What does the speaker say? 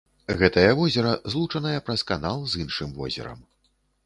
Гэтае возера злучанае праз канал з іншым возерам.